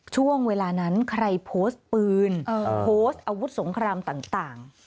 ช่วงเวลานั้นใครโพสต์ปืนโพสต์อาวุธสงครามต่าง